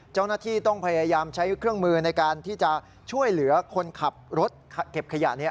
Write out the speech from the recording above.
เจ้าหน้าที่ต้องพยายามใช้เครื่องมือในการที่จะช่วยเหลือคนขับรถเก็บขยะนี้